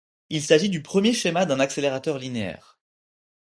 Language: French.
Il s'agit du premier schéma d'un accélérateur linéaire.